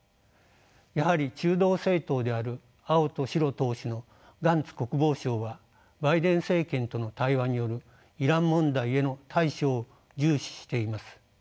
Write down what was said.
やはり中道政党である「青と白」党首のガンツ国防相はバイデン政権との対話によるイラン問題への対処を重視しています。